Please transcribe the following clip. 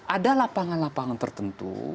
ada lapangan lapangan tertentu